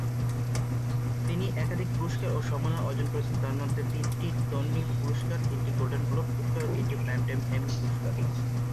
তিনি একাধিক পুরস্কার ও সম্মাননা অর্জন করেছেন, তন্মধ্যে তিনটি টনি পুরস্কার, তিনটি গোল্ডেন গ্লোব পুরস্কার ও তিনটি প্রাইমটাইম এমি পুরস্কার।